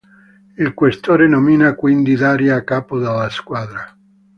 Il questore nomina quindi Daria a capo della squadra.